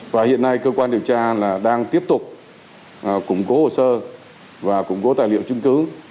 và hiện nay cơ quan điều tra đang tiếp tục củng cố hồ sơ và củng cố tài liệu chứng cứ